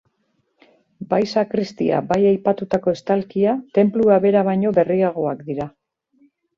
Bai sakristia bai aipatutako estalkia tenplua bera baino berriagoak dira.